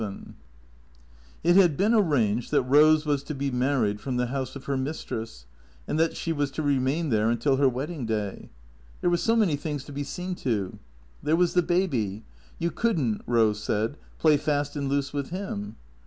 VII IT had been arranged that Eose was to be married from the house of her mistress, and that she was to remain there until her wedding day. There were so many things to be seen to. There was the baby. You could n't, Eose said, play fast and loose with him.